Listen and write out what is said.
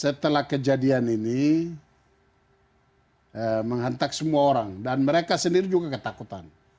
setelah kejadian ini menghantak semua orang dan mereka sendiri juga ketakutan